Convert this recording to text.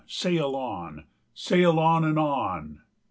sail on! sail on! and on!